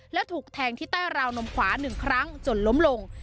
และถูกแทงที่ใต้ราวนมขวา๑ครั้งจนล้มลง